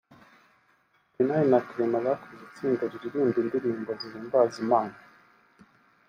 Bernard na Clement bakoze itsinda riririmba indirimbo zihimbaza Imana